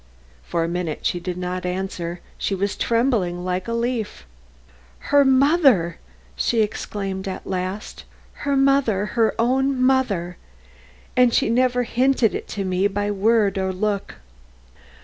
For minutes she did not answer; she was trembling like a leaf. "Her mother!" she exclaimed at last. "Her mother! her own mother! And she never hinted it to me by word or look.